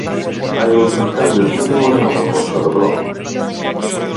Hai outros cambios mínimos na proposta do Bloque.